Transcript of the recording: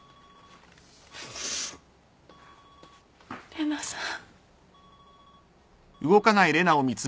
玲奈さん。